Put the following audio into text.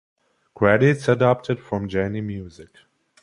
Credits adapted from Genie Music.